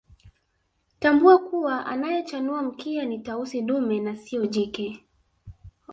Tambua kuwa anayechanua mkia ni Tausi dume na siyo jike